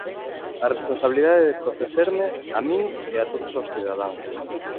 A responsabilidade de protexerme, a min, e a todos os cidadáns.